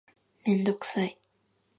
めんどくさい